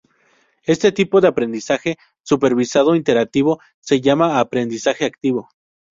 Este tipo de aprendizaje supervisado iterativo se llama aprendizaje activo.